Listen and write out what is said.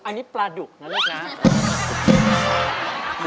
อันนี้ปลาดุกนั่นแหละนะ